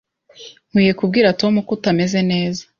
Nkwiye kubwira Tom ko utameze neza.